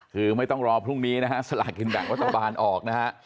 คือไม่ต้องรอพรุ่งนี้นะฮะสลากกินแบ่งรัฐบาลออกนะฮะ